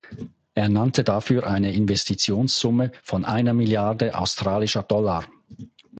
Er nannte dafür eine Investitionssumme von einer Milliarde Australischer Dollar.